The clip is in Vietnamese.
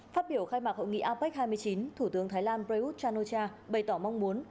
phát biểu khai mạc hội nghị apec hai mươi chín thủ tướng thái lan prayuth chan o cha bày tỏ mong muốn